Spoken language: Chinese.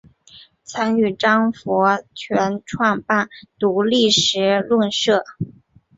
曾与张佛泉创办独立时论社。